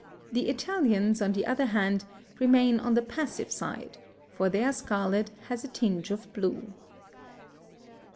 The Italians, on the other hand, remain on the passive side, for their scarlet has a tinge of blue.